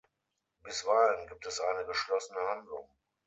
Bisweilen gibt es eine geschlossene Handlung.